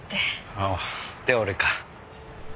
ああで俺か。